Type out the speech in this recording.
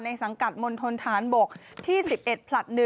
สังกัดมณฑนฐานบกที่๑๑ผลัด๑